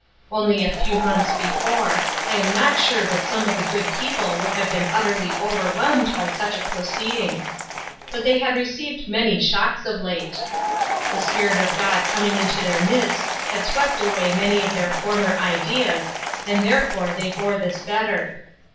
Only a few months before, I am not sure but some of the good peo ple would have been utterly overwhelmed by such a proceeding. But they had received many shocks of late. The Spirit of God coming into their midst had swept away many of their 90 Ruth Erskine Crosses. former ideas, and therefore they bore this better.